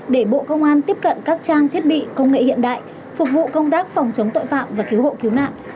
để bộ công an tiếp cận các trang thiết bị công nghệ hiện đại phục vụ công tác phòng chống tội phạm và cứu hộ cứu nạn